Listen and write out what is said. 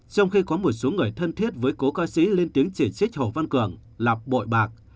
trong khi có một số người thân thiết với cố ca sĩ lên tiếng chỉ trích hồ văn cường là bội bạc